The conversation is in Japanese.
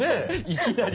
いきなり。